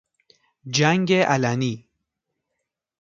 جنگ علنی